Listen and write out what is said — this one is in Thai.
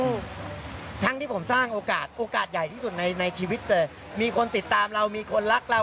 ทั้งที่ผมสร้างโอกาสโอกาสใหญ่ที่สุดในในชีวิตเลยมีคนติดตามเรามีคนรักเรา